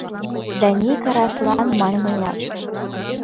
Дани Караслан манын ойлат.